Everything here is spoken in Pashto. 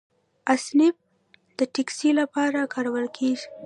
اسنپ د ټکسي لپاره کارول کیږي.